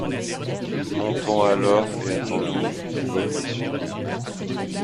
Montons alors, et hâtons-nous ! Yvonne les suivit.